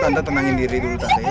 tante tenangin diri dulu tante ya